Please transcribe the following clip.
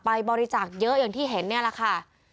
บริจาคเยอะอย่างที่เห็นเนี่ยแหละค่ะ